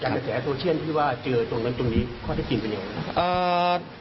การแสดงโทรเชื่อนที่ว่าเจอตรงนั้นตรงนี้ข้อที่สิ่งเป็นยังไง